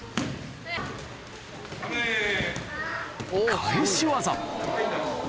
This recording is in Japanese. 返し技